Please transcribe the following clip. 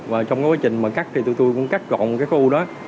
và trong quá trình mà cắt thì tụi tôi cũng cắt rộng cái khối u đó